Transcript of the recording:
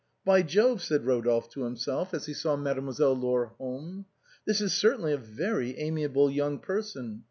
" By Jove," said Rodolphe to himself as he saw Made moiselle Laure home, " this is certainly a very amiable young person.